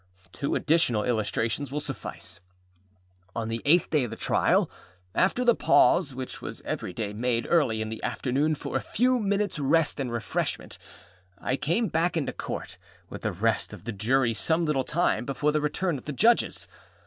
Two additional illustrations will suffice. On the eighth day of the trial, after the pause which was every day made early in the afternoon for a few minutesâ rest and refreshment, I came back into Court with the rest of the Jury some little time before the return of the Judges.